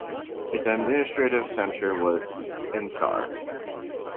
Its administrative centre was Insar.